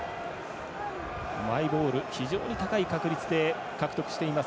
マイボール非常に高い確率で獲得しています